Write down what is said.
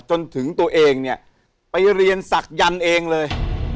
จนถึงตัวเองเนี่ยไปเรียนศักยันต์เองเลย